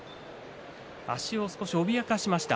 足を少し脅かしました。